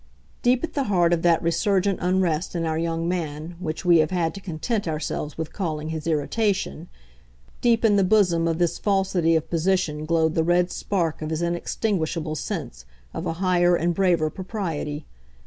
Deep at the heart of that resurgent unrest in our young man which we have had to content ourselves with calling his irritation deep in the bosom of this falsity of position glowed the red spark of his inextinguishable sense of a higher and braver propriety.